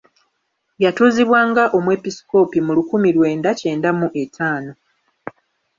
Yatuuzibwa nga omwepiskopi mu lukumi lwenda kyenda mu etaano.